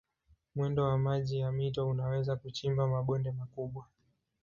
Mwendo wa maji ya mito unaweza kuchimba mabonde makubwa.